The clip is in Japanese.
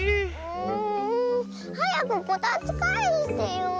んはやくこたつかえしてよ。